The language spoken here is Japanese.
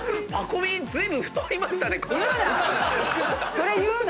それ言うな！